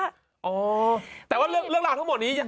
ต้องร้อนอ๋อแต่ว่าเรื่องราวทั้งหมดนี้